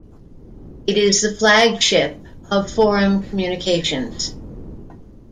It is the flagship of Forum Communications.